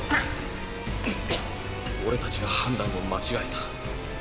俺たちが判断を間違えた。